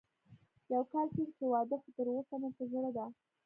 يو کال کېږي چې واده خو تر اوسه مې په زړه ده